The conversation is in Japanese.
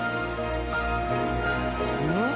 うん？